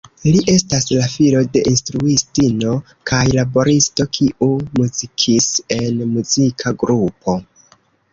Li estas la filo de instruistino kaj laboristo kiu muzikis en muzika grupo.